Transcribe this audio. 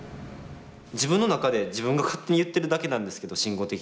自分の中で自分が勝手に言ってるだけなんですけど慎吾的には。